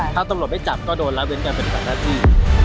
ถ้าตำรวจไม่จับก็โดนรับเว้นกันเป็นศาลที่